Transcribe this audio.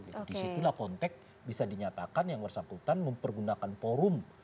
disitulah konteks bisa dinyatakan yang bersangkutan mempergunakan forum